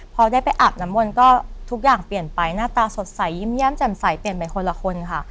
พอได้ไปอาบน้ำมนต์ก็ทุกอย่างเปลี่ยนไปหน้าตาสดใสยิ้มแย้มแจ่มใสเปลี่ยนไปคนละคนค่ะ